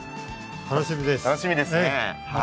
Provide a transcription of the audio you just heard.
楽しみです。